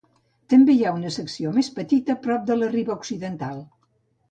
També hi ha una secció més petita prop de la riba occidental.